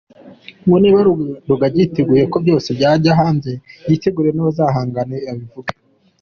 Ngo niba Rugagi yiteguye ko byose byajya hanze yitegure bazahangane abivuge.